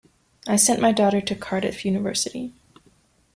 I sent my daughter to Cardiff University.